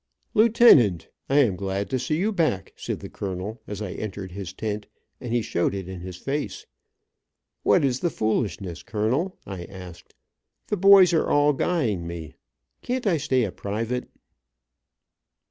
"Lieutenant, I am glad to see you back," said the Colonel, as I entered his tent, and he showed it in his face. "What is the foolishness, colonel? I asked. The boys are all guying me. Can't I stay a private?"